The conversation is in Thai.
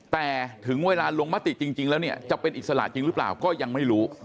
แต่ถึงเวลาลงมติจริงแล้วเนี่ยจะเป็นอิสระจริงหรือเปล่าก็ยังไม่รู้